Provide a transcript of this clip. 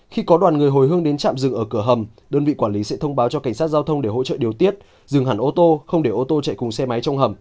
khi có đoàn người hồi hương đến trạm dừng ở cửa hầm đơn vị quản lý sẽ thông báo cho cảnh sát giao thông để hỗ trợ điều tiết dừng hẳn ô tô không để ô tô chạy cùng xe máy trong hầm